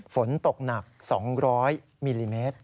ฝนตกหนัก๒๐๐มิลลิเมตร